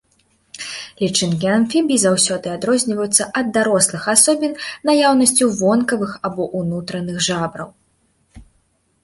Лічынкі амфібій заўсёды адрозніваюцца ад дарослых асобін наяўнасцю вонкавых або ўнутраных жабраў.